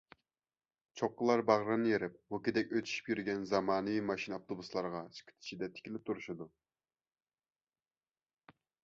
چوققىلار باغرىنى يېرىپ، موكىدەك ئۆتۈشۈپ يۈرگەن زامانىۋى ماشىنا-ئاپتوبۇسلارغا سۈكۈت ئىچىدە تىكىلىپ تۇرۇشىدۇ.